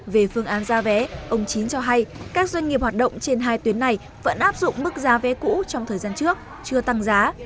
về phương án giá vé ông chín cho hay các doanh nghiệp hoạt động trên hai tuyến này vẫn áp dụng mức giá vé cũ trong thời gian trước chưa tăng giá